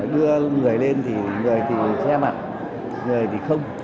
đưa người lên thì người thì che mặt người thì không